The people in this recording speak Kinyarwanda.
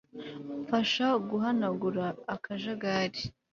Mfasha guhanagura akajagari